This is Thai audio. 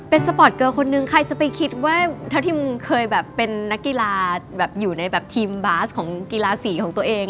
เป็นสปอร์ตเกอร์คนนึงใครจะไปคิดว่าเท่าทีมเคยแบบเป็นนักกีฬาแบบอยู่ในแบบทีมบาสของกีฬาสีของตัวเอง